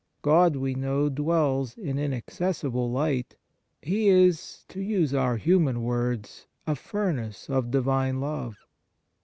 God, we know, dwells in inaccessible light. He is, to use our human words, a furnace of Divine love.